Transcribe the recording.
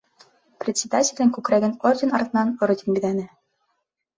Председателдең күкрәген орден артынан орден биҙәне.